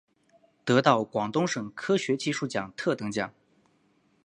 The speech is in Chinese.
得到广东省科学技术奖特等奖。